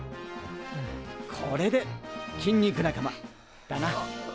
これで筋肉仲間だな！